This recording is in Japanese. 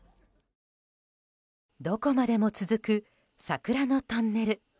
どこまでも続く桜のトンネル。